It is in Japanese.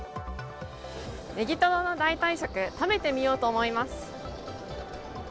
ネギトロの代替食、食べてみようと思います。